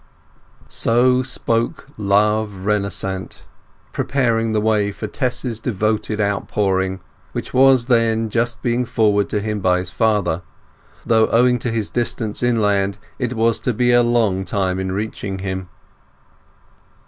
So spoke love renascent, preparing the way for Tess's devoted outpouring, which was then just being forwarded to him by his father; though owing to his distance inland it was to be a long time in reaching him.